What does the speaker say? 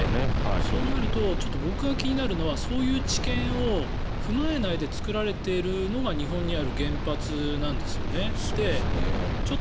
そうなると、僕が気になるのはそういう知見を踏まえないで作られているのが日本にある原発なんですよね。